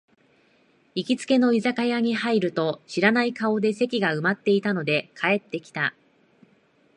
行きつけの居酒屋に入ると、知らない顔で席が埋まってたので帰ってきた